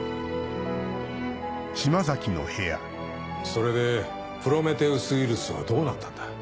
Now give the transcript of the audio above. それでプロメテウス・ウイルスはどうなったんだ？